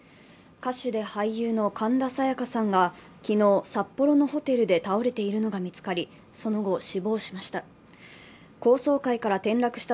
歌手で俳優の神田沙也加さんが昨日、札幌のホテルで倒れているのが見つかり、その後、死亡しました。